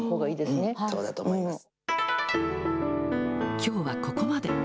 きょうはここまで。